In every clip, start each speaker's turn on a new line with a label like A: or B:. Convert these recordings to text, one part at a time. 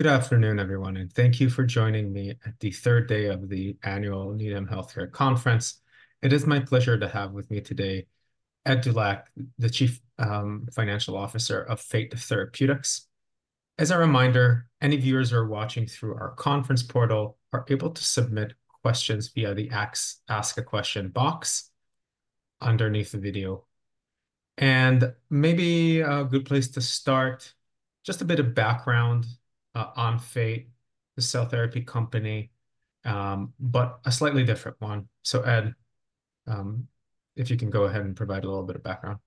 A: Good afternoon, everyone, and thank you for joining me at the third day of the Annual Needham Healthcare Conference. It is my pleasure to have with me today, Ed Dulac, the Chief Financial Officer of Fate Therapeutics. As a reminder, any viewers who are watching through our conference portal are able to submit questions via the Ask a Question box underneath the video. Maybe a good place to start, just a bit of background, on Fate, the cell therapy company, but a slightly different one. So, Ed, if you can go ahead and provide a little bit of background.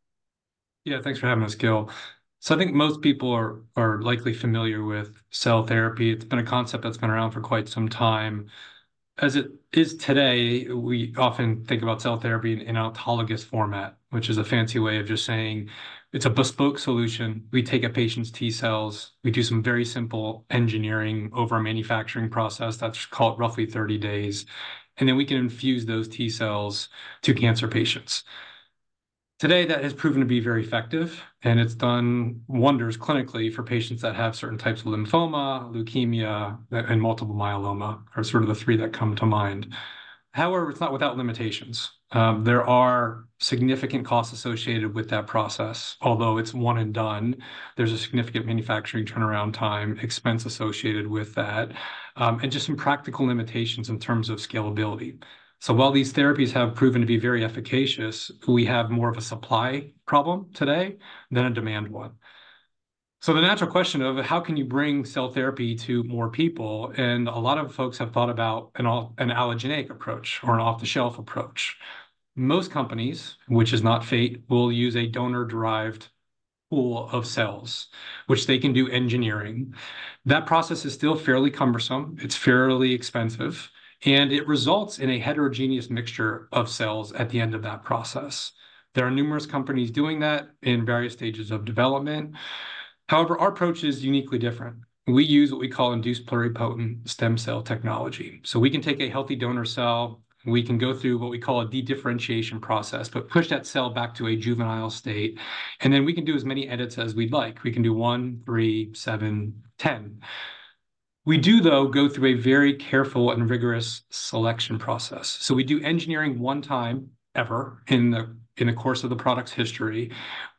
B: Yeah, thanks for having us, Gil. So I think most people are likely familiar with cell therapy. It's been a concept that's been around for quite some time. As it is today, we often think about cell therapy in an autologous format, which is a fancy way of just saying it's a bespoke solution. We take a patient's T cells, we do some very simple engineering over a manufacturing process that's called roughly 30 days, and then we can infuse those T cells to cancer patients. Today, that has proven to be very effective, and it's done wonders clinically for patients that have certain types of lymphoma, leukemia, and multiple myeloma are sort of the three that come to mind. However, it's not without limitations. There are significant costs associated with that process, although it's one and done. There's a significant manufacturing turnaround time, expense associated with that, and just some practical limitations in terms of scalability. So while these therapies have proven to be very efficacious, we have more of a supply problem today than a demand one. So the natural question of how can you bring cell therapy to more people? And a lot of folks have thought about an allogeneic approach or an off-the-shelf approach. Most companies, which is not Fate, will use a donor-derived pool of cells, which they can do engineering. That process is still fairly cumbersome. It's fairly expensive, and it results in a heterogeneous mixture of cells at the end of that process. There are numerous companies doing that in various stages of development. However, our approach is uniquely different. We use what we call induced pluripotent stem cell technology. So we can take a healthy donor cell. We can go through what we call a dedifferentiation process, but push that cell back to a juvenile state. Then we can do as many edits as we'd like. We can do one, three, seven, 10. We do, though, go through a very careful and rigorous selection process. So we do engineering one time ever in the course of the product's history,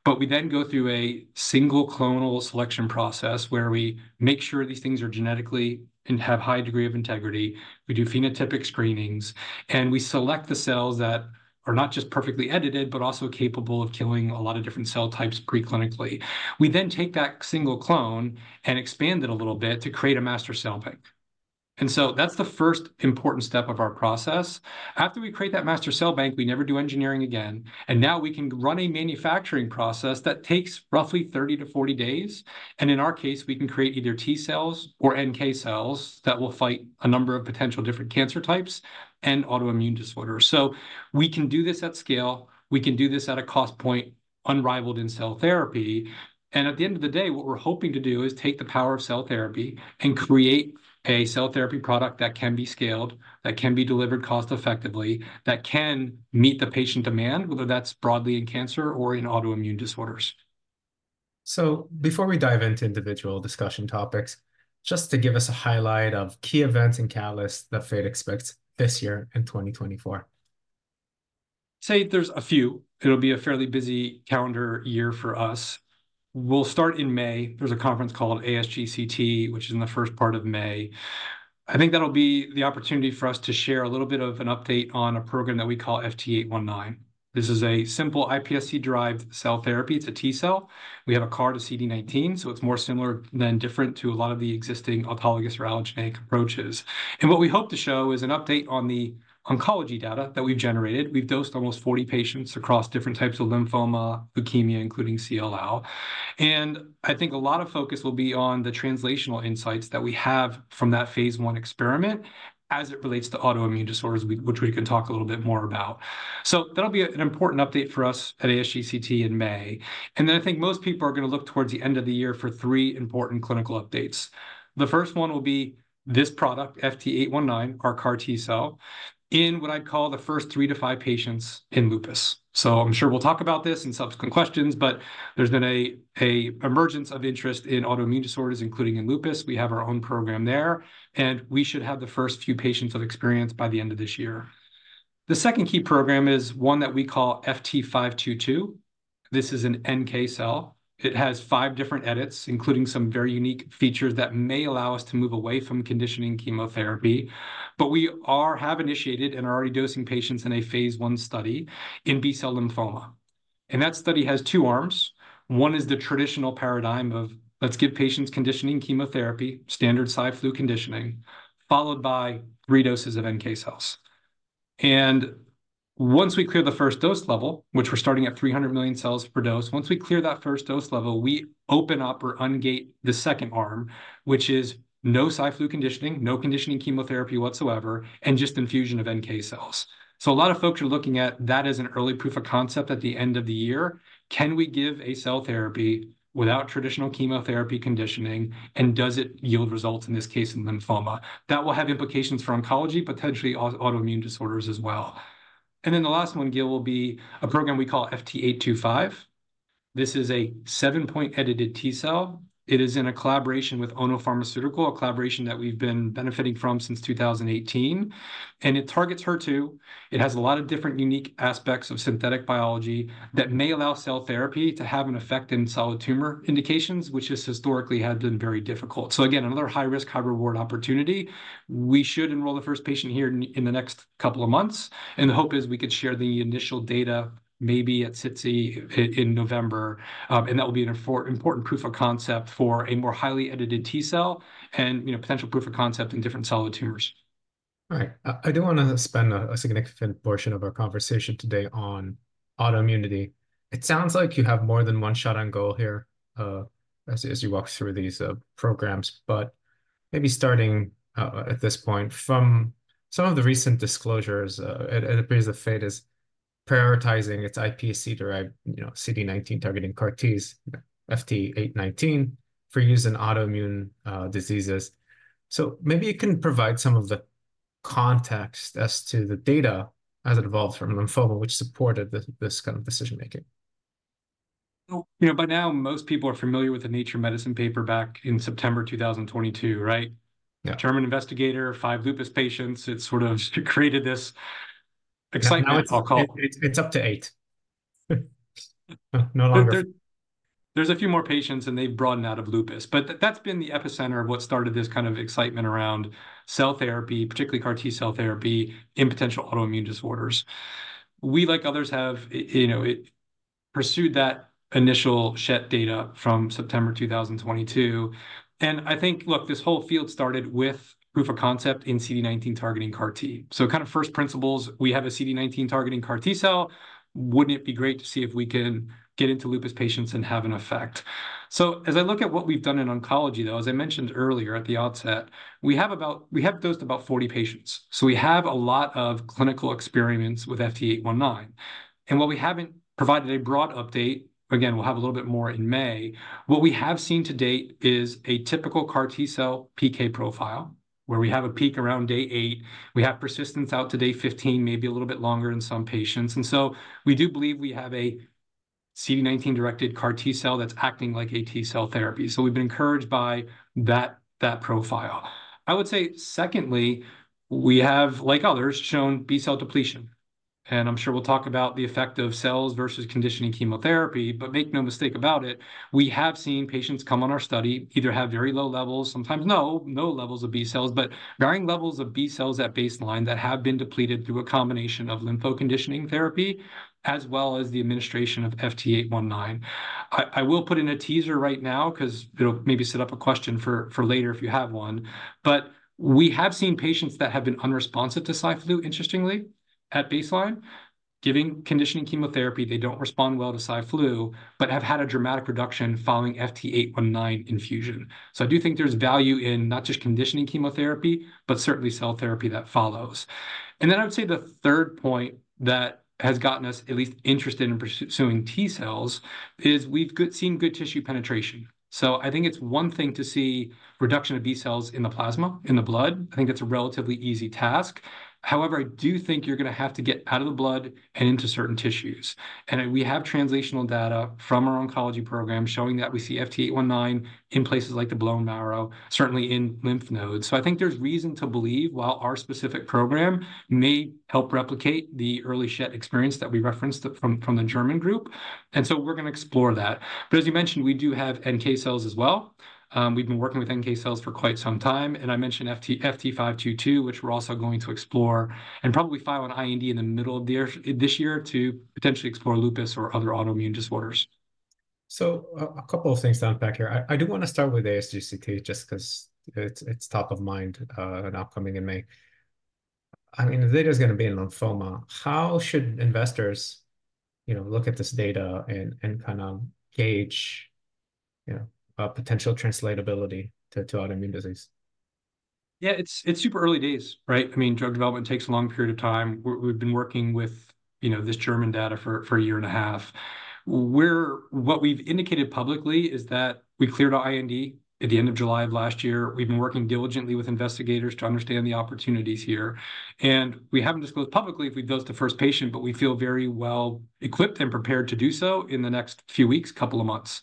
B: but we then go through a single clonal selection process where we make sure these things are genetically and have a high degree of integrity. We do phenotypic screenings, and we select the cells that are not just perfectly edited, but also capable of killing a lot of different cell types preclinically. We then take that single clone and expand it a little bit to create a master cell bank. So that's the first important step of our process. After we create that master cell bank, we never do engineering again. Now we can run a manufacturing process that takes roughly 30-40 days. In our case, we can create either T cells or NK cells that will fight a number of potential different cancer types and autoimmune disorders. We can do this at scale. We can do this at a cost point unrivaled in cell therapy. At the end of the day, what we're hoping to do is take the power of cell therapy and create a cell therapy product that can be scaled, that can be delivered cost-effectively, that can meet the patient demand, whether that's broadly in cancer or in autoimmune disorders.
A: So before we dive into individual discussion topics, just to give us a highlight of key events and catalysts that Fate expects this year in 2024.
B: I'd say there's a few. It'll be a fairly busy calendar year for us. We'll start in May. There's a conference called ASGCT, which is in the first part of May. I think that'll be the opportunity for us to share a little bit of an update on a program that we call FT819. This is a simple iPSC-derived cell therapy. It's a T cell. We have a CAR-T CD19, so it's more similar than different to a lot of the existing autologous or allogeneic approaches. And what we hope to show is an update on the oncology data that we've generated. We've dosed almost 40 patients across different types of lymphoma, leukemia, including CLL. I think a lot of focus will be on the translational insights that we have from that phase I experiment as it relates to autoimmune disorders, which we can talk a little bit more about. That'll be an important update for us at ASGCT in May. Then I think most people are going to look towards the end of the year for three important clinical updates. The first one will be this product, FT819, our CAR T-cell, in what I'd call the first three to five patients in lupus. So I'm sure we'll talk about this in subsequent questions, but there's been an emergence of interest in autoimmune disorders, including in lupus. We have our own program there, and we should have the first few patients of experience by the end of this year. The second key program is one that we call FT522. This is an NK cell. It has five different edits, including some very unique features that may allow us to move away from conditioning chemotherapy. But we have initiated and are already dosing patients in a phase I study in B-cell lymphoma. And that study has two arms. One is the traditional paradigm of let's give patients conditioning chemotherapy, standard Cy/Flu conditioning, followed by three doses of NK cells. And once we clear the first dose level, which we're starting at 300 million cells per dose, once we clear that first dose level, we open up or ungate the second arm, which is no Cy/Flu conditioning, no conditioning chemotherapy whatsoever, and just infusion of NK cells. So a lot of folks are looking at that as an early proof of concept at the end of the year. Can we give a cell therapy without traditional chemotherapy conditioning? And does it yield results in this case in lymphoma? That will have implications for oncology, potentially autoimmune disorders as well. And then the last one, Gil, will be a program we call FT825. This is a 7-point edited T cell. It is in a collaboration with ONO Pharmaceutical, a collaboration that we've been benefiting from since 2018. And it targets HER2. It has a lot of different unique aspects of synthetic biology that may allow cell therapy to have an effect in solid tumor indications, which has historically had been very difficult. So again, another high-risk, high-reward opportunity. We should enroll the first patient here in the next couple of months. And the hope is we could share the initial data maybe at SITC in November. That will be an important proof of concept for a more highly edited T cell and, you know, potential proof of concept in different solid tumors.
A: All right. I do want to spend a significant portion of our conversation today on autoimmunity. It sounds like you have more than one shot on goal here, as you walk through these programs. But maybe starting, at this point from some of the recent disclosures, it appears that Fate is prioritizing its iPSC-derived, you know, CD19-targeting CAR-Ts, FT819, for use in autoimmune diseases. So maybe you can provide some of the context as to the data as it evolved from lymphoma, which supported this kind of decision-making.
B: You know, by now, most people are familiar with the Nature Medicine paper back in September 2022, right? German investigator, five lupus patients. It sort of created this excitement.
A: It's up to eight. No longer.
B: There's a few more patients, and they've broadened out of lupus. But that's been the epicenter of what started this kind of excitement around cell therapy, particularly CAR T-cell therapy in potential autoimmune disorders. We, like others, have, you know, pursued that initial set data from September 2022. And I think, look, this whole field started with proof of concept in CD19 targeting CAR-T. So kind of first principles, we have a CD19 targeting CAR T-cell. Wouldn't it be great to see if we can get into lupus patients and have an effect? So as I look at what we've done in oncology, though, as I mentioned earlier at the outset, we have dosed about 40 patients. So we have a lot of clinical experiments with FT819. And while we haven't provided a broad update, again, we'll have a little bit more in May. What we have seen to date is a typical CAR T-cell PK profile where we have a peak around day eight. We have persistence out to day 15, maybe a little bit longer in some patients. And so we do believe we have a CD19-directed CAR T-cell that's acting like a T cell therapy. So we've been encouraged by that profile. I would say, secondly, we have, like others, shown B-cell depletion. And I'm sure we'll talk about the effect of cells versus conditioning chemotherapy, but make no mistake about it, we have seen patients come on our study, either have very low levels, sometimes no levels of B cells, but varying levels of B cells at baseline that have been depleted through a combination of lymphoconditioning therapy as well as the administration of FT819. I will put in a teaser right now because it'll maybe set up a question for later if you have one. But we have seen patients that have been unresponsive to side flu, interestingly, at baseline, giving conditioning chemotherapy. They don't respond well to side flu, but have had a dramatic reduction following FT819 infusion. So I do think there's value in not just conditioning chemotherapy, but certainly cell therapy that follows. And then I would say the third point that has gotten us at least interested in pursuing T cells is we've seen good tissue penetration. So I think it's one thing to see reduction of B cells in the plasma, in the blood. I think that's a relatively easy task. However, I do think you're going to have to get out of the blood and into certain tissues. And we have translational data from our oncology program showing that we see FT819 in places like the bone marrow, certainly in lymph nodes. So I think there's reason to believe while our specific program may help replicate the early SLE experience that we referenced from the German group. And so we're going to explore that. But as you mentioned, we do have NK cells as well. We've been working with NK cells for quite some time. And I mentioned FT522, which we're also going to explore and probably file an IND in the middle of the year this year to potentially explore lupus or other autoimmune disorders.
A: A couple of things to unpack here. I do want to start with ASGCT just because it's top of mind and upcoming in May. I mean, the data is going to be in lymphoma. How should investors, you know, look at this data and kind of gauge, you know, potential translatability to autoimmune disease?
B: Yeah, it's super early days, right? I mean, drug development takes a long period of time. We've been working with, you know, this German data for a year and a half. What we've indicated publicly is that we cleared IND at the end of July of last year. We've been working diligently with investigators to understand the opportunities here. And we haven't disclosed publicly if we've dosed the first patient, but we feel very well equipped and prepared to do so in the next few weeks, couple of months.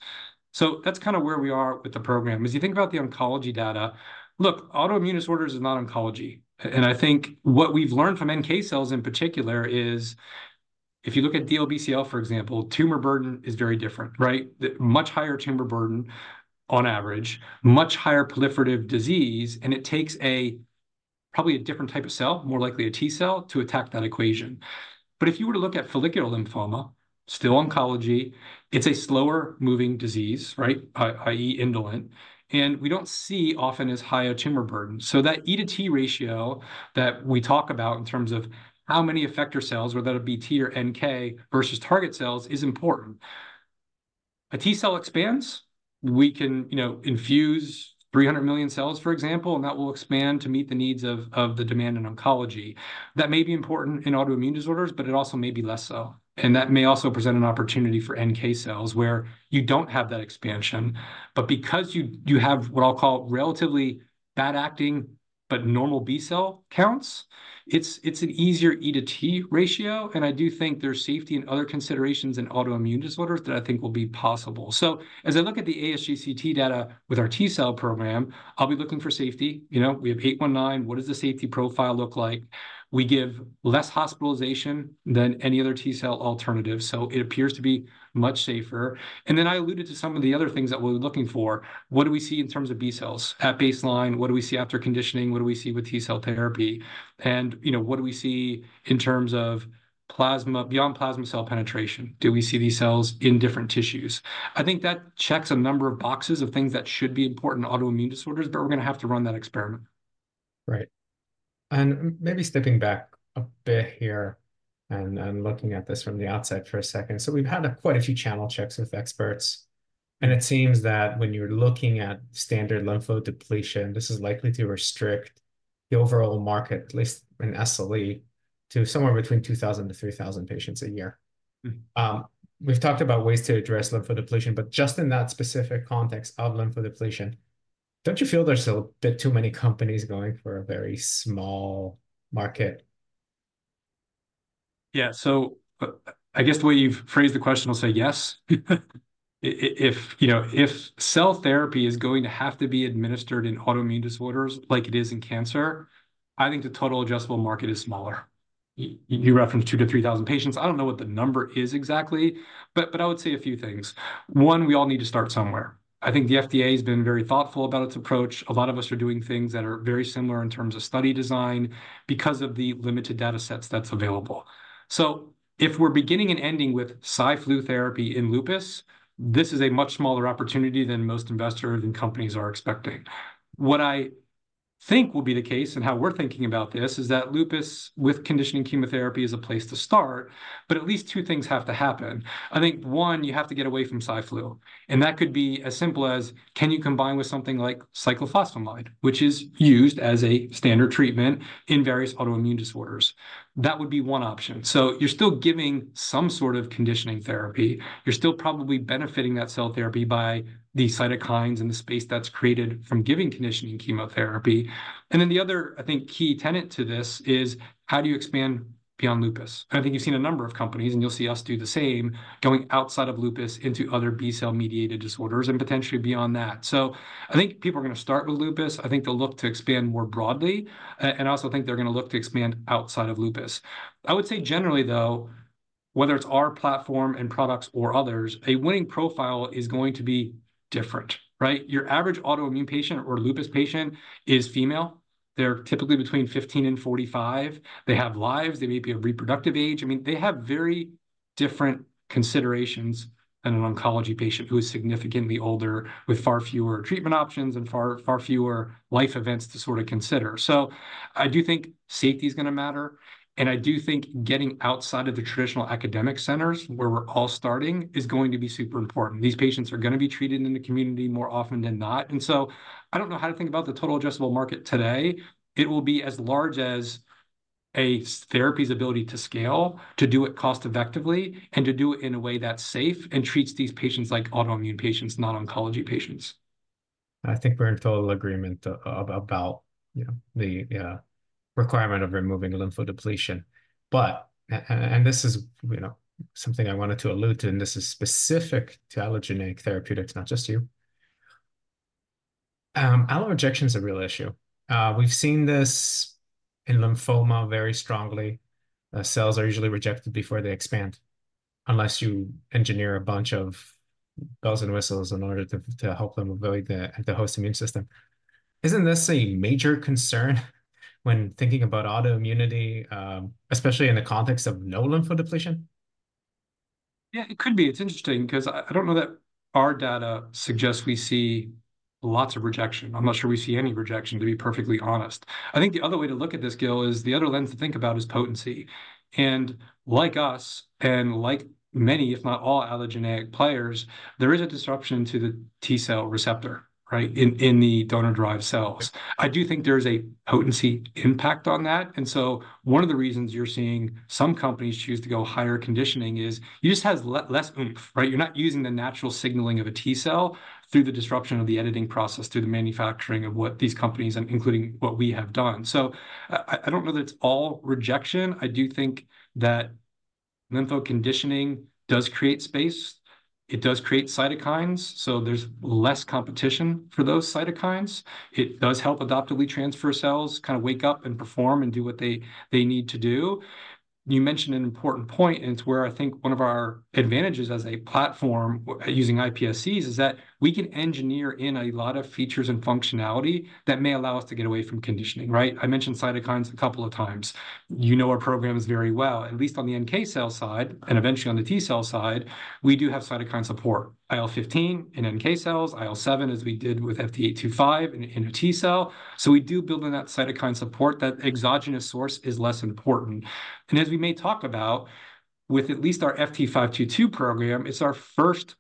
B: So that's kind of where we are with the program. As you think about the oncology data, look, autoimmune disorders is not oncology. And I think what we've learned from NK cells in particular is if you look at DLBCL, for example, tumor burden is very different, right? Much higher tumor burden on average, much higher proliferative disease. And it takes probably a different type of cell, more likely a T cell, to attack that equation. But if you were to look at follicular lymphoma, still oncology, it's a slower moving disease, right? i.e., indolent. And we don't see often as high a tumor burden. So that E:T ratio that we talk about in terms of how many effector cells, whether that be T or NK versus target cells, is important. A T cell expands. We can, you know, infuse 300 million cells, for example, and that will expand to meet the needs of the demand in oncology. That may be important in autoimmune disorders, but it also may be less so. And that may also present an opportunity for NK cells where you don't have that expansion. But because you have what I'll call relatively bad acting, but normal B cell counts, it's an easier E:T ratio. I do think there's safety and other considerations in autoimmune disorders that I think will be possible. As I look at the ASGCT data with our T cell program, I'll be looking for safety. You know, we have 819. What does the safety profile look like? We give less hospitalization than any other T cell alternative. It appears to be much safer. And then I alluded to some of the other things that we're looking for. What do we see in terms of B cells at baseline? What do we see after conditioning? What do we see with T-cell therapy? And, you know, what do we see in terms of plasma, beyond plasma cell penetration? Do we see these cells in different tissues? I think that checks a number of boxes of things that should be important in autoimmune disorders, but we're going to have to run that experiment.
A: Right. And maybe stepping back a bit here and looking at this from the outside for a second. So we've had quite a few channel checks with experts. And it seems that when you're looking at standard lymphodepletion, this is likely to restrict the overall market, at least in SLE, to somewhere between 2,000-3,000 patients a year. We've talked about ways to address lymphodepletion, but just in that specific context of lymphodepletion, don't you feel there's still a bit too many companies going for a very small market?
B: Yeah. So I guess the way you've phrased the question, I'll say yes. If, you know, if cell therapy is going to have to be administered in autoimmune disorders like it is in cancer, I think the total adjustable market is smaller. You referenced 2,000-3,000 patients. I don't know what the number is exactly, but I would say a few things. One, we all need to start somewhere. I think the FDA has been very thoughtful about its approach. A lot of us are doing things that are very similar in terms of study design because of the limited data sets that's available. So if we're beginning and ending with side flu therapy in lupus, this is a much smaller opportunity than most investors and companies are expecting. What I think will be the case and how we're thinking about this is that lupus with conditioning chemotherapy is a place to start, but at least two things have to happen. I think one, you have to get away from side flu. And that could be as simple as can you combine with something like cyclophosphamide, which is used as a standard treatment in various autoimmune disorders? That would be one option. So you're still giving some sort of conditioning therapy. You're still probably benefiting that cell therapy by the cytokines and the space that's created from giving conditioning chemotherapy. And then the other, I think, key tenet to this is how do you expand beyond lupus? And I think you've seen a number of companies and you'll see us do the same going outside of lupus into other B cell mediated disorders and potentially beyond that. So I think people are going to start with lupus. I think they'll look to expand more broadly. And I also think they're going to look to expand outside of lupus. I would say generally, though, whether it's our platform and products or others, a winning profile is going to be different, right? Your average autoimmune patient or lupus patient is female. They're typically between 15 and 45. They have lives. They may be of reproductive age. I mean, they have very different considerations than an oncology patient who is significantly older with far fewer treatment options and far, far fewer life events to sort of consider. So I do think safety is going to matter. And I do think getting outside of the traditional academic centers where we're all starting is going to be super important. These patients are going to be treated in the community more often than not. And so I don't know how to think about the total addressable market today. It will be as large as a therapy's ability to scale, to do it cost-effectively, and to do it in a way that's safe and treats these patients like autoimmune patients, not oncology patients.
A: I think we're in total agreement about, you know, the requirement of removing lymphodepletion. But, and this is, you know, something I wanted to allude to, and this is specific to allogeneic therapeutics, not just you. Allo rejection is a real issue. We've seen this in lymphoma very strongly. Cells are usually rejected before they expand. Unless you engineer a bunch of bells and whistles in order to help them avoid the host immune system. Isn't this a major concern when thinking about autoimmunity, especially in the context of no lymphodepletion?
B: Yeah, it could be. It's interesting because I don't know that our data suggests we see lots of rejection. I'm not sure we see any rejection, to be perfectly honest. I think the other way to look at this, Gil, is the other lens to think about is potency. And like us and like many, if not all, allogeneic players, there is a disruption to the T cell receptor, right, in the donor-derived cells. I do think there's a potency impact on that. And so one of the reasons you're seeing some companies choose to go higher conditioning is you just have less oomph, right? You're not using the natural signaling of a T cell through the disruption of the editing process, through the manufacturing of what these companies, including what we have done. So I don't know that it's all rejection. I do think that lymphoconditioning does create space. It does create cytokines. So there's less competition for those cytokines. It does help adaptively transfer cells, kind of wake up and perform and do what they need to do. You mentioned an important point, and it's where I think one of our advantages as a platform using iPSCs is that we can engineer in a lot of features and functionality that may allow us to get away from conditioning, right? I mentioned cytokines a couple of times. You know our programs very well, at least on the NK cell side and eventually on the T cell side. We do have cytokine support, IL-15 in NK cells, IL-7 as we did with FT825 in a T cell. So we do build in that cytokine support. That exogenous source is less important. As we may talk about, with at least our FT522 program, it's our first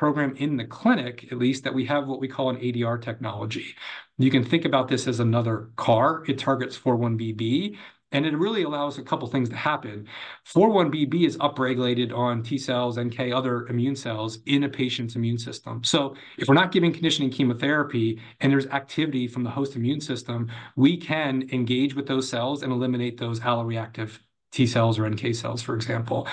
B: program in the clinic, at least, that we have what we call an ADR technology. You can think about this as another CAR. It targets 4-1BB. And it really allows a couple of things to happen. 4-1BB is upregulated on T cells, NK, other immune cells in a patient's immune system. So if we're not giving conditioning chemotherapy and there's activity from the host immune system, we can engage with those cells and eliminate those alloreactive T cells or NK cells, for example.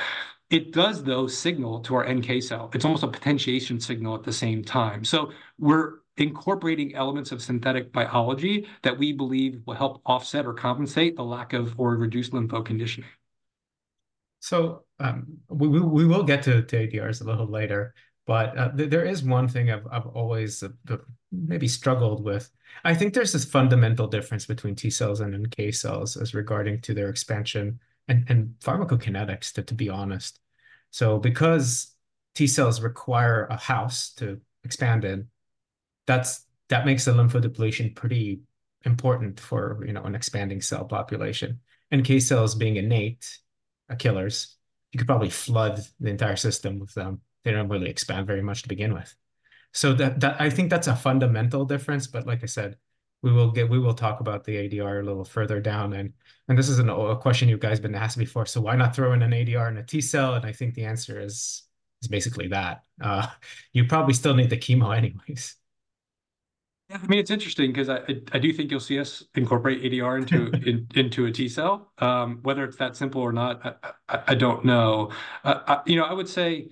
B: It does, though, signal to our NK cell. It's almost a potentiation signal at the same time. So we're incorporating elements of synthetic biology that we believe will help offset or compensate the lack of or reduce lymphoconditioning.
A: So we will get to ADRs a little later, but there is one thing I've always maybe struggled with. I think there's this fundamental difference between T cells and NK cells as regards to their expansion and pharmacokinetics, to be honest. So because T cells require a host to expand in, that makes the lymphodepletion pretty important for an expanding cell population. NK cells being innate, are killers. You could probably flood the entire system with them. They don't really expand very much to begin with. So I think that's a fundamental difference. But like I said, we will talk about the ADR a little further down. And this is a question you guys have been asked before. So why not throw in an ADR in a T cell? And I think the answer is basically that. You probably still need the chemo anyways.
B: Yeah. I mean, it's interesting because I do think you'll see us incorporate ADR into a T cell. Whether it's that simple or not, I don't know. You know, I would say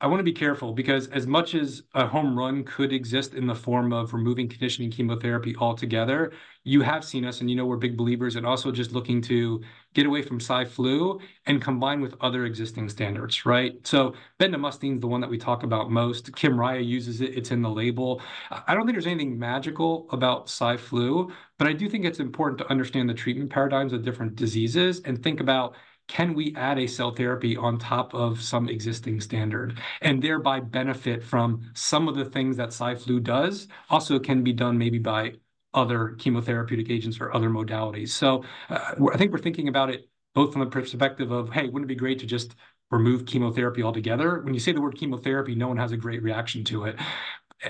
B: I want to be careful because as much as a home run could exist in the form of removing conditioning chemotherapy altogether, you have seen us and you know we're big believers in also just looking to get away from side flu and combine with other existing standards, right? So bendamustine is the one that we talk about most. KYMRIAH uses it. It's in the label. I don't think there's anything magical about Cy/Flu, but I do think it's important to understand the treatment paradigms of different diseases and think about can we add a cell therapy on top of some existing standard and thereby benefit from some of the things that Cy/Flu does also can be done maybe by other chemotherapeutic agents or other modalities. So I think we're thinking about it both from the perspective of, hey, wouldn't it be great to just remove chemotherapy altogether? When you say the word chemotherapy, no one has a great reaction to it.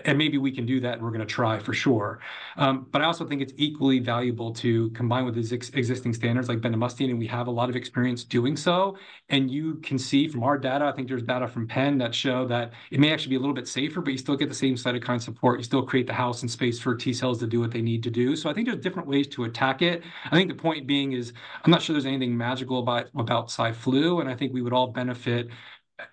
B: And maybe we can do that and we're going to try for sure. But I also think it's equally valuable to combine with these existing standards like bendamustine and we have a lot of experience doing so. And you can see from our data, I think there's data from Penn that show that it may actually be a little bit safer, but you still get the same cytokine support. You still create the host and space for T cells to do what they need to do. So I think there's different ways to attack it. I think the point being is I'm not sure there's anything magical about side flu. And I think we would all benefit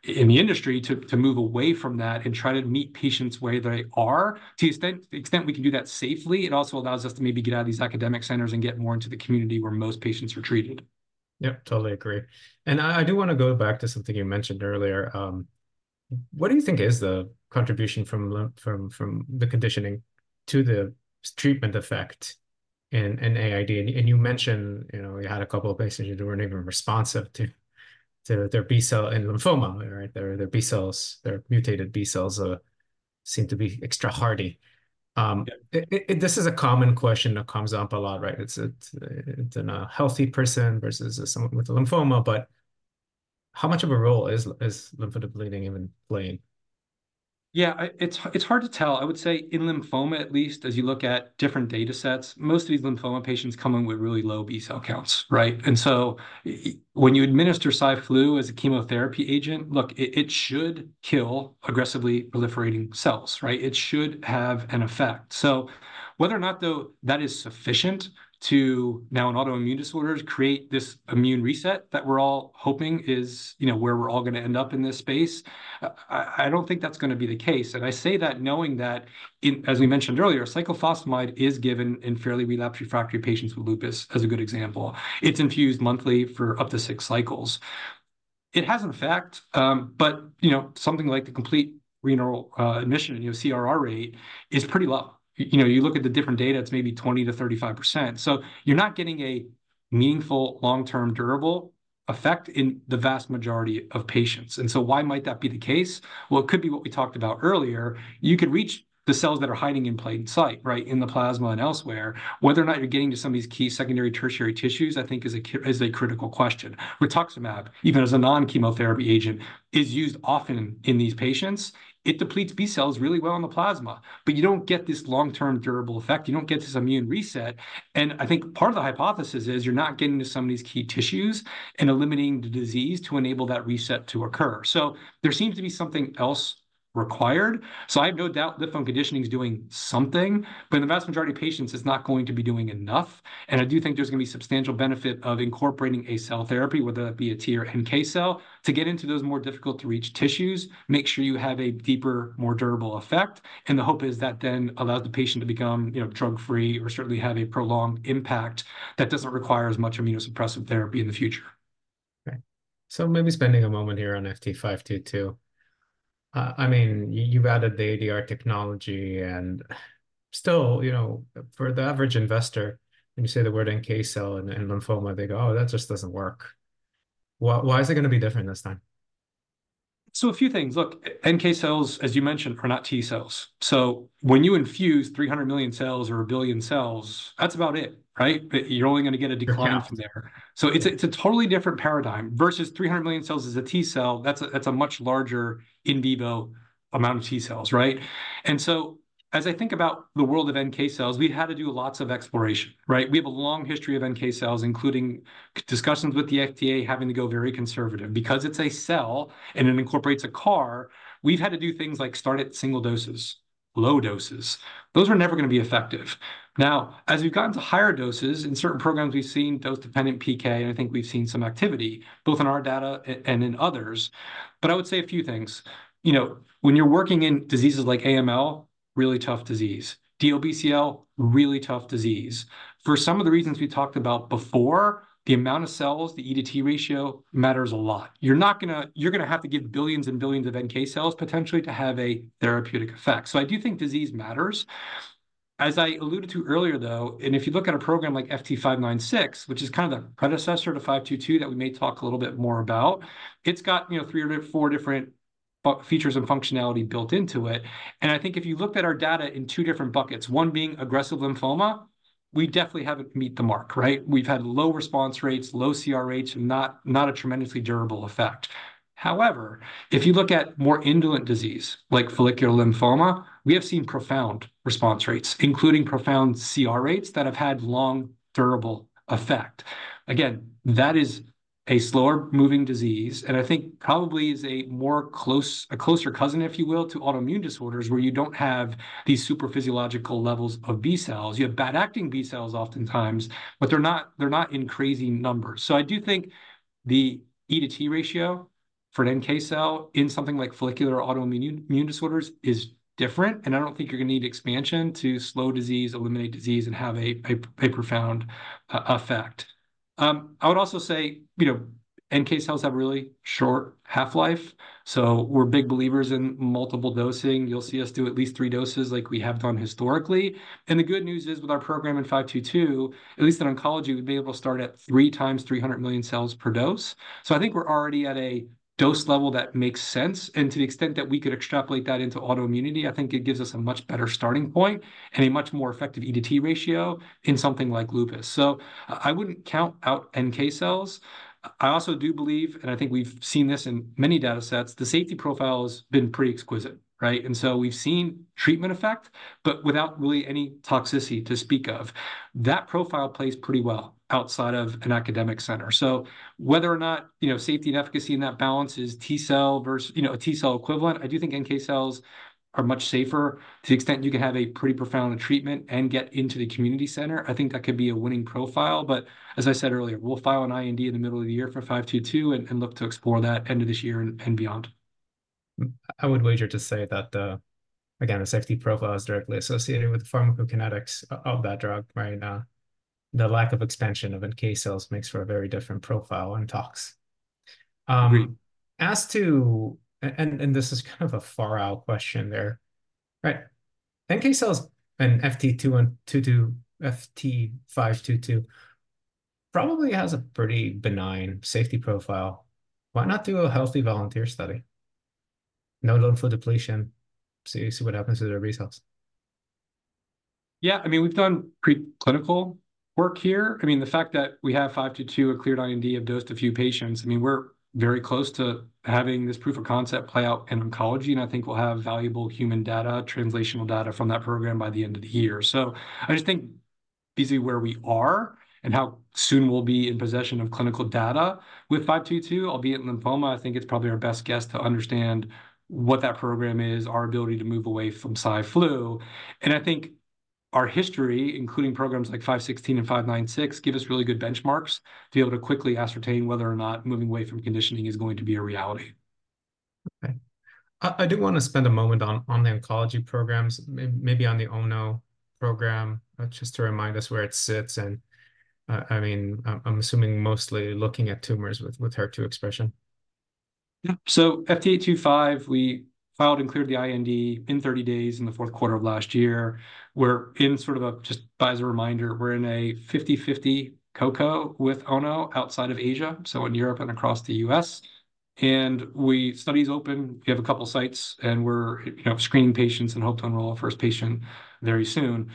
B: in the industry to move away from that and try to meet patients the way they are. To the extent we can do that safely, it also allows us to maybe get out of these academic centers and get more into the community where most patients are treated.
A: Yep, totally agree. I do want to go back to something you mentioned earlier. What do you think is the contribution from the conditioning to the treatment effect in AID? And you mentioned you had a couple of patients who weren't even responsive to their B-cell lymphoma, right? Their B cells, their mutated B cells seem to be extra hardy. This is a common question that comes up a lot, right? It's in a healthy person versus someone with a lymphoma, but how much of a role is lymphodepleting even playing?
B: Yeah, it's hard to tell. I would say in lymphoma, at least, as you look at different data sets, most of these lymphoma patients come in with really low B-cell counts, right? And so when you administer side flu as a chemotherapy agent, look, it should kill aggressively proliferating cells, right? It should have an effect. So whether or not, though, that is sufficient to now in autoimmune disorders create this immune reset that we're all hoping is where we're all going to end up in this space. I don't think that's going to be the case. And I say that knowing that, as we mentioned earlier, cyclophosphamide is given in fairly relapsed refractory patients with lupus as a good example. It's infused monthly for up to six cycles. It has an effect, but something like the complete renal remission and CR rate is pretty low. You look at the different data, it's maybe 20%-35%. So you're not getting a meaningful long-term durable effect in the vast majority of patients. And so why might that be the case? Well, it could be what we talked about earlier. You could reach the cells that are hiding in plain sight, right, in the plasma and elsewhere. Whether or not you're getting to some of these key secondary tertiary tissues, I think, is a critical question. rituximab, even as a non-chemotherapy agent, is used often in these patients. It depletes B cells really well in the plasma, but you don't get this long-term durable effect. You don't get this immune reset. And I think part of the hypothesis is you're not getting to some of these key tissues and eliminating the disease to enable that reset to occur. So there seems to be something else required. I have no doubt lymphoconditioning is doing something, but in the vast majority of patients, it's not going to be doing enough. I do think there's going to be substantial benefit of incorporating a cell therapy, whether that be a T or NK cell, to get into those more difficult to reach tissues, make sure you have a deeper, more durable effect. The hope is that then allows the patient to become drug-free or certainly have a prolonged impact that doesn't require as much immunosuppressive therapy in the future.
A: Okay. So maybe spending a moment here on FT522. I mean, you've added the ADR technology and still, you know, for the average investor, when you say the word NK cell and lymphoma, they go, "Oh, that just doesn't work." Why is it going to be different this time?
B: So a few things. Look, NK cells, as you mentioned, are not T cells. So when you infuse 300 million cells or 1 billion cells, that's about it, right? You're only going to get a decline from there. So it's a totally different paradigm versus 300 million cells as a T cell. That's a much larger in vivo amount of T cells, right? And so as I think about the world of NK cells, we've had to do lots of exploration, right? We have a long history of NK cells, including discussions with the FDA having to go very conservative because it's a cell and it incorporates a CAR. We've had to do things like start at single doses, low doses. Those are never going to be effective. Now, as we've gotten to higher doses in certain programs, we've seen dose-dependent PK, and I think we've seen some activity both in our data and in others. But I would say a few things. You know, when you're working in diseases like AML, really tough disease. DLBCL, really tough disease. For some of the reasons we talked about before, the amount of cells, the E:T ratio matters a lot. You're going to have to give billions and billions of NK cells potentially to have a therapeutic effect. So I do think disease matters. As I alluded to earlier, though, and if you look at a program like FT596, which is kind of the predecessor to 522 that we may talk a little bit more about, it's got, you know, three or four different features and functionality built into it. And I think if you looked at our data in two different buckets, one being aggressive lymphoma, we definitely haven't met the mark, right? We've had low response rates, low CR, not a tremendously durable effect. However, if you look at more indolent disease like follicular lymphoma, we have seen profound response rates, including profound CR rates that have had long, durable effect. Again, that is a slower moving disease. And I think probably is a closer cousin, if you will, to autoimmune disorders where you don't have these super physiological levels of B cells. You have bad-acting B cells oftentimes, but they're not in crazy numbers. So I do think the E:T ratio for an NK cell in something like follicular autoimmune disorders is different. And I don't think you're going to need expansion to slow disease, eliminate disease, and have a profound effect. I would also say, you know, NK cells have really short half-life. So we're big believers in multiple dosing. You'll see us do at least three doses like we have done historically. And the good news is with our program in 522, at least in oncology, we'd be able to start at 3 times 300 million cells per dose. So I think we're already at a dose level that makes sense. And to the extent that we could extrapolate that into autoimmunity, I think it gives us a much better starting point and a much more effective E:T ratio in something like lupus. So I wouldn't count out NK cells. I also do believe, and I think we've seen this in many data sets, the safety profile has been pretty exquisite, right? And so we've seen treatment effect, but without really any toxicity to speak of. That profile plays pretty well outside of an academic center. So whether or not safety and efficacy in that balance is T cell versus a T cell equivalent, I do think NK cells are much safer to the extent you can have a pretty profound treatment and get into the community center. I think that could be a winning profile. But as I said earlier, we'll file an IND in the middle of the year for 522 and look to explore that end of this year and beyond.
A: I would wager to say that, again, the safety profile is directly associated with the pharmacokinetics of that drug, right? The lack of expansion of NK cells makes for a very different profile and tox. As to, and this is kind of a far-out question there, right? NK cells and FT522 probably has a pretty benign safety profile. Why not do a healthy volunteer study? No lymphodepletion. See what happens to their B cells.
B: Yeah. I mean, we've done preclinical work here. I mean, the fact that we have 522, a cleared IND, dosed a few patients, I mean, we're very close to having this proof of concept play out in oncology. And I think we'll have valuable human data, translational data from that program by the end of the year. So I just think, given where we are and how soon we'll be in possession of clinical data with 522, albeit lymphoma, I mean, it's probably our best guess to understand what that program is, our ability to move away from Cy/Flu. And I think our history, including programs like 516 and 596, give us really good benchmarks to be able to quickly ascertain whether or not moving away from conditioning is going to be a reality.
A: Okay. I do want to spend a moment on the oncology programs, maybe on the ONO program, just to remind us where it sits. And I mean, I'm assuming mostly looking at tumors with HER2 expression.
B: Yeah. So FT825, we filed and cleared the IND in 30 days in the fourth quarter of last year. We're in sort of a, just as a reminder, we're in a 50/50 Co-Co with ONO outside of Asia, so in Europe and across the U.S. And study is open. We have a couple of sites and we're screening patients and hope to enroll our first patient very soon.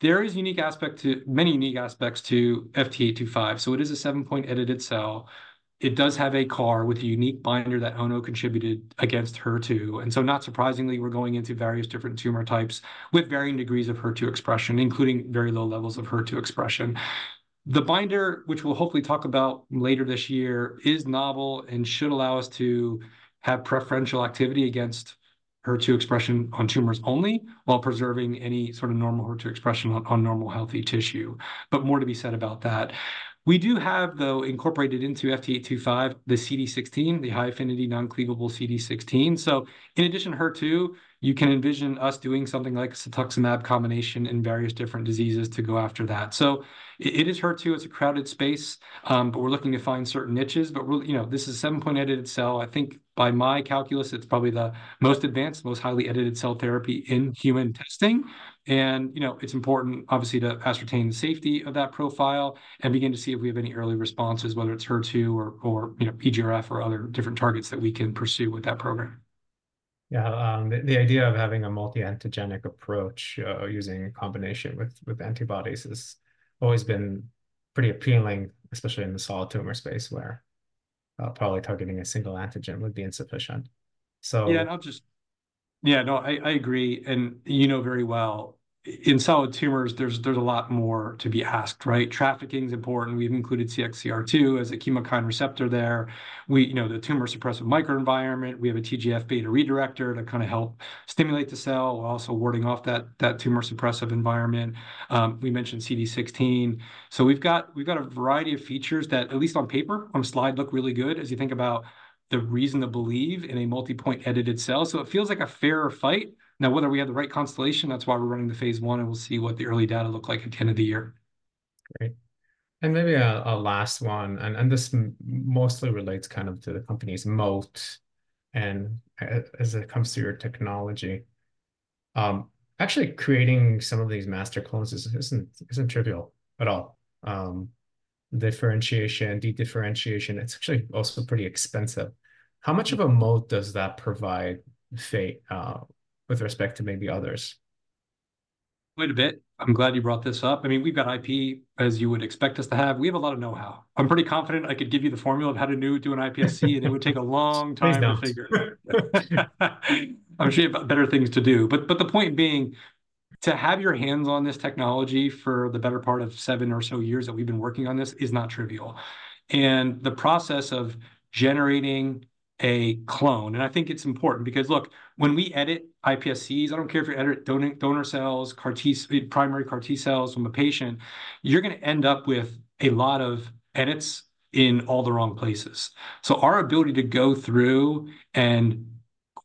B: There is a unique aspect to many unique aspects to FT825. So it is a 7-point edited cell. It does have a CAR with a unique binder that ONO contributed against HER2. And so not surprisingly, we're going into various different tumor types with varying degrees of HER2 expression, including very low levels of HER2 expression. The binder, which we'll hopefully talk about later this year, is novel and should allow us to have preferential activity against HER2 expression on tumors only while preserving any sort of normal HER2 expression on normal healthy tissue. But more to be said about that. We do have, though, incorporated into FT825 the CD16, the high-affinity non-cleavable CD16. So in addition to HER2, you can envision us doing something like a cetuximab combination in various different diseases to go after that. So it is HER2. It's a crowded space, but we're looking to find certain niches. But really, this is a seven-point edited cell. I think by my calculus, it's probably the most advanced, most highly edited cell therapy in human testing. It's important, obviously, to ascertain the safety of that profile and begin to see if we have any early responses, whether it's HER2 or EGFR or other different targets that we can pursue with that program.
A: Yeah. The idea of having a multi-antigenic approach using a combination with antibodies has always been pretty appealing, especially in the solid tumor space where probably targeting a single antigen would be insufficient.
B: Yeah. And I'll just, yeah, no, I agree. And you know very well, in solid tumors, there's a lot more to be asked, right? Trafficking is important. We've included CXCR2 as a chemokine receptor there. The tumor suppressive microenvironment, we have a TGF-beta redirector to kind of help stimulate the cell while also warding off that tumor suppressive environment. We mentioned CD16. So we've got a variety of features that, at least on paper, on a slide, look really good as you think about the reason to believe in a multi-point edited cell. So it feels like a fair fight. Now, whether we have the right constellation, that's why we're running the phase l, and we'll see what the early data look like at the end of the year.
A: Great. Maybe a last one. This mostly relates kind of to the company's moat as it comes to your technology. Actually, creating some of these master clones isn't trivial at all. Differentiation, de-differentiation, it's actually also pretty expensive. How much of a moat does that provide, Fate, with respect to maybe others?
B: Quite a bit. I'm glad you brought this up. I mean, we've got IP as you would expect us to have. We have a lot of know-how. I'm pretty confident I could give you the formula of how to do an iPSC, and it would take a long time to figure. I'm sure you have better things to do. But the point being, to have your hands on this technology for the better part of seven or so years that we've been working on this is not trivial. And the process of generating a clone, and I think it's important because, look, when we edit iPSCs, I don't care if you edit donor cells, primary CAR T-cells from a patient, you're going to end up with a lot of edits in all the wrong places. So our ability to go through and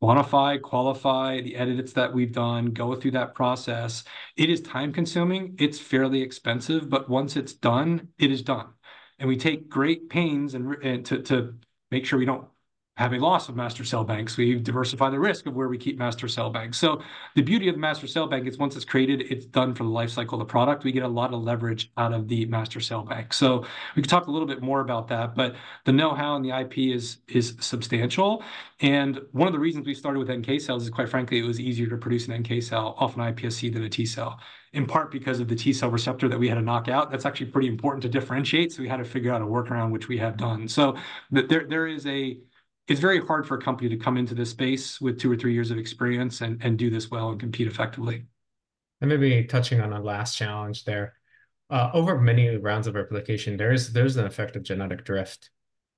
B: quantify, qualify the edits that we've done, go through that process, it is time-consuming. It's fairly expensive, but once it's done, it is done. And we take great pains to make sure we don't have a loss of master cell banks. We diversify the risk of where we keep master cell banks. So the beauty of the master cell bank is once it's created, it's done for the lifecycle of the product. We get a lot of leverage out of the master cell bank. So we could talk a little bit more about that, but the know-how and the IP is substantial. One of the reasons we started with NK cells is, quite frankly, it was easier to produce an NK cell off an IPSC than a T cell, in part because of the T-cell receptor that we had to knock out. That's actually pretty important to differentiate. So we had to figure out a workaround, which we have done. So it's very hard for a company to come into this space with two or three years of experience and do this well and compete effectively.
A: Maybe touching on a last challenge there. Over many rounds of replication, there's an effect of genetic drift.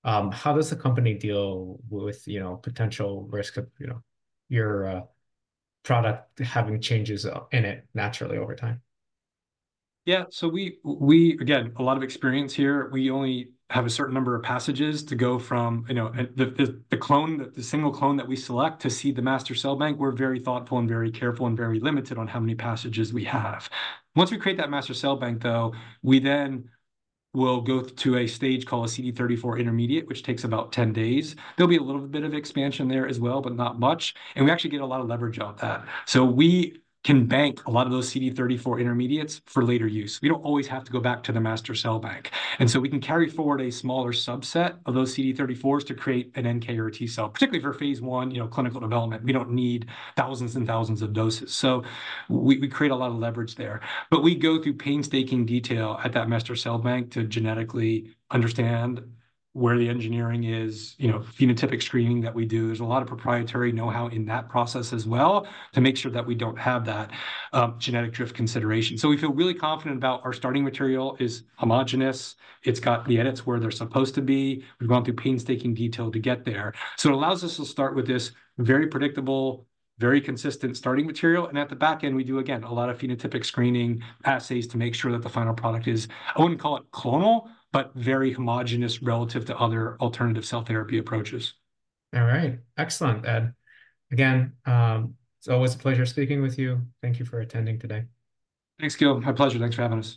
A: How does the company deal with potential risk of your product having changes in it naturally over time?
B: Yeah. So again, a lot of experience here. We only have a certain number of passages to go from the single clone that we select to see the master cell bank. We're very thoughtful and very careful and very limited on how many passages we have. Once we create that master cell bank, though, we then will go to a stage called a CD34 intermediate, which takes about 10 days. There'll be a little bit of expansion there as well, but not much. And we actually get a lot of leverage off that. So we can bank a lot of those CD34 intermediates for later use. We don't always have to go back to the master cell bank. And so we can carry forward a smaller subset of those CD34s to create an NK or a T cell, particularly for phase l clinical development. We don't need thousands and thousands of doses. So we create a lot of leverage there. But we go through painstaking detail at that master cell bank to genetically understand where the engineering is, phenotypic screening that we do. There's a lot of proprietary know-how in that process as well to make sure that we don't have that genetic drift consideration. So we feel really confident about our starting material is homogeneous. It's got the edits where they're supposed to be. We've gone through painstaking detail to get there. So it allows us to start with this very predictable, very consistent starting material. And at the back end, we do, again, a lot of phenotypic screening assays to make sure that the final product is, I wouldn't call it clonal, but very homogeneous relative to other alternative cell therapy approaches.
A: All right. Excellent, Ed. Again, it's always a pleasure speaking with you. Thank you for attending today.
B: Thanks, Gil. My pleasure. Thanks for having us.